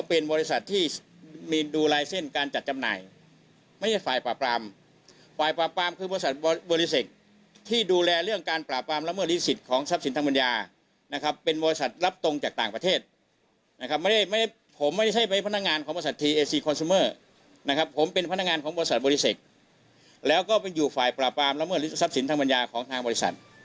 เพื่อรับศัพท์สินธรรมนิยาของทางบริษัท